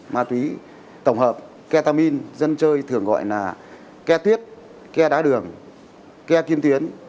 ma túy tổng hợp ketamine dân chơi thường gọi là ke tuyết ke đá đường ke tiên tuyến